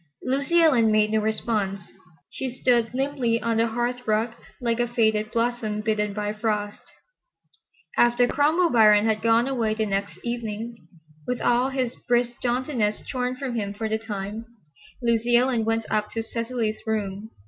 Lucy Ellen made no response. She stood limply on the hearth rug like a faded blossom bitten by frost. After Cromwell Biron had gone away the next evening, with all his brisk jauntiness shorn from him for the time, Lucy Ellen went up to Cecily's room.